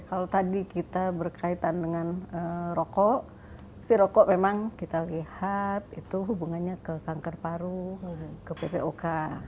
kalau tadi kita berkaitan dengan rokok si rokok memang kita lihat itu hubungannya ke kanker paru ke ppok